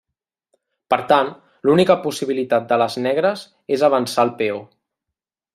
Per tant, l'única possibilitat de les negres és avançar el peó.